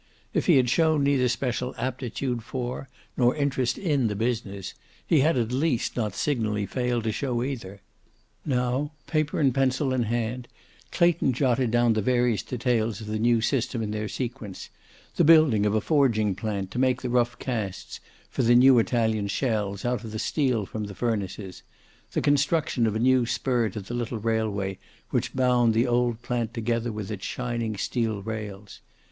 If he had shown neither special aptitude for nor interest in the business, he had at least not signally failed to show either. Now, paper and pencil in hand, Clayton jotted down the various details of the new system in their sequence; the building of a forging plant to make the rough casts for the new Italian shells out of the steel from the furnaces, the construction of a new spur to the little railway which bound the old plant together with its shining steel rails.